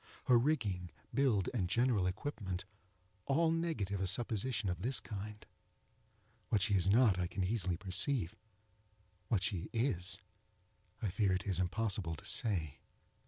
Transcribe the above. Her rigging, build, and general equipment, all negative a supposition of this kind. What she is not, I can easily perceive—what she is I fear it is impossible to say.